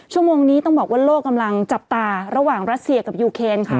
ชั่วโมงนี้ต้องบอกว่าโลกกำลังจับตาระหว่างรัสเซียกับยูเคนค่ะ